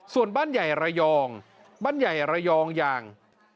ส่วนบ้านใหญ่ระยองบ้านใหญ่ระยองอย่าง